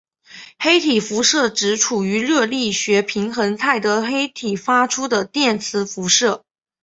黑体辐射指处于热力学平衡态的黑体发出的电磁辐射。